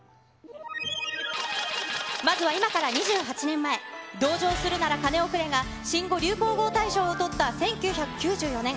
まずは今から２８年前、同情するならカネをくれが、新語・流行語大賞を取った１９９４年。